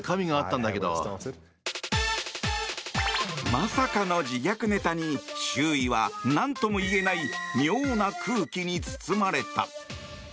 まさかの自虐ネタに周囲は、何とも言えない妙な空気に包まれた。